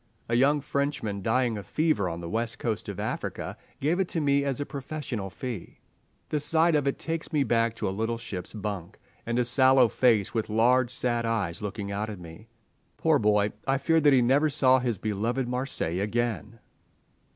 A young Frenchman, dying of fever on the west coast of Africa, gave it to me as a professional fee. The sight of it takes me back to a little ship's bunk, and a sallow face with large, sad eyes looking out at me. Poor boy, I fear that he never saw his beloved Marseilles again!